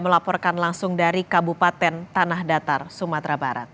melaporkan langsung dari kabupaten tanah datar sumatera barat